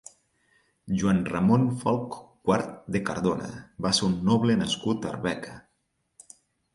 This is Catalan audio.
Joan Ramon Folc quart de Cardona va ser un noble nascut a Arbeca.